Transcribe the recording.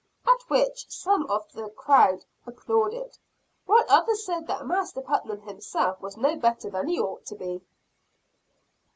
At which some few of the crowd applauded; while others said that Master Putnam himself was no better than he ought to be.